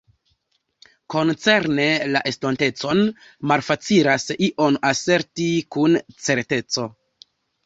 Koncerne la estontecon, malfacilas ion aserti kun certeco.